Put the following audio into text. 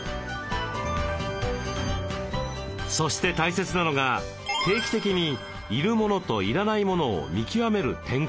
そして大切なのが定期的に要るモノと要らないモノを見極める点検。